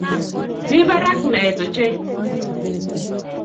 Mi barak naet ochei